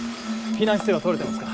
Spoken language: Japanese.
避難姿勢は取れてますか？